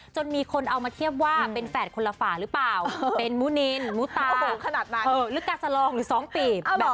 จนมีคนเอามาเทียบว่าเป็นแฝดคนละฝ่าหรือเปล่าเป็นมูนินมูตาหรือกาสลองหรือสองตีบ